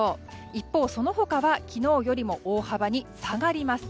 一方、その他は昨日よりも大幅に下がります。